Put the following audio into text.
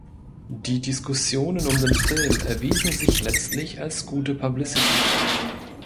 Die Diskussionen um den Film erwiesen sich letztlich als gute Publicity.